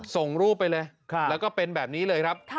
ส่งรูปไปเลยแล้วก็เป็นแบบนี้เลยครับ